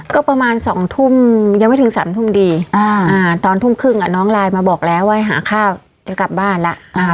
ก็ประมาณ๒ทุ่มยังไม่ถึง๓ทุ่มดีตอนทุ่มครึ่งน้องไลน์มาบอกแล้วว่าให้หาข้าวจะกลับบ้านแล้ว